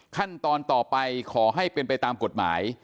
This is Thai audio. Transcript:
ขั้นตอนต่อไปขอให้เป็นไปตามกฎหมาย